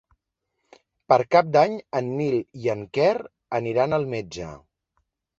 Per Cap d'Any en Nil i en Quer aniran al metge.